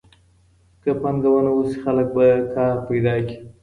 که پانګونه وسي خلګ به کار پیدا کړي.